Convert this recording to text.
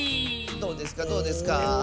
どうですかどうですか？